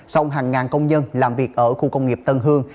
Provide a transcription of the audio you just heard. xong hàng ngàn công nhân làm việc ở khu công nghiệp tân hương